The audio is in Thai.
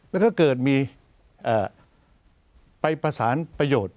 แล้วก็เกิดมีไปประสานประโยชน์